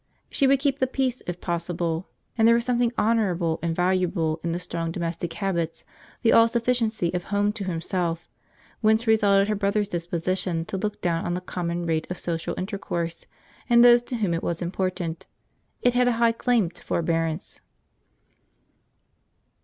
She would keep the peace if possible; and there was something honourable and valuable in the strong domestic habits, the all sufficiency of home to himself, whence resulted her brother's disposition to look down on the common rate of social intercourse, and those to whom it was important.—It had a high claim to forbearance.